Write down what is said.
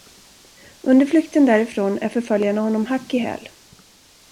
Under flykten därifrån är förföljarna honom hack i häl.